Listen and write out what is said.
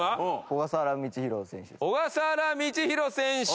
小笠原道大選手。